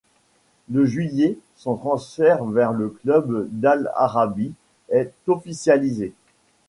Le juillet, son transfert vers le club d'Al Arabi est officialisé.